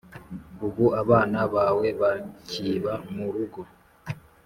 Ubu abana bawe bakiba mu rugo